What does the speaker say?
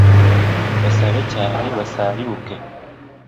basabe cyane basayuke